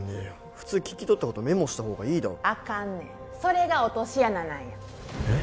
普通聞き取ったことメモした方がいいだろあかんねんそれが落とし穴なんやえっ？